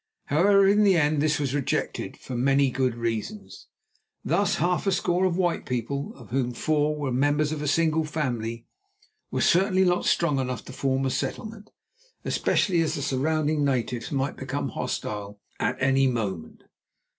However, in the end this was rejected for many good reasons. Thus half a score of white people, of whom four were members of a single family, were certainly not strong enough to form a settlement, especially as the surrounding natives might become actively hostile at any moment.